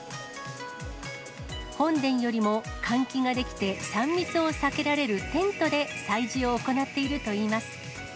本殿よりも換気ができて３密を避けられるテントで祭事を行っているといいます。